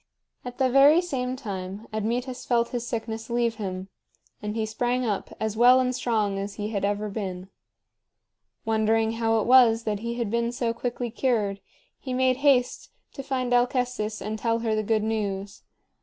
At the very same time Admetus felt his sickness leave him, and he sprang up as well and strong as he had ever been. Wondering how it was that he had been so quickly cured, he made haste to find Alcestis and tell her the good news.